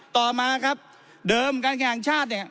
ต่อมาครับเดิมการแข่งชาติเนี่ย